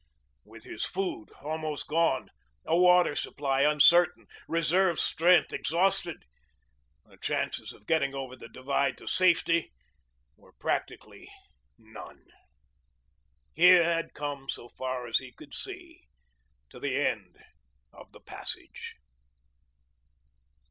With his food almost gone, a water supply uncertain, reserve strength exhausted, the chances of getting over the divide to safety were practically none. He had come, so far as he could see, to the end of the passage.